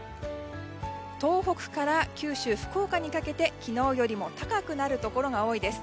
東北から九州、福岡にかけて昨日よりも高くなるところが多いです。